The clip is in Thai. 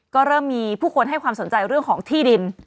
ก็เริ่มมีผู้คนให้ความสนใจเรื่องของที่ดิน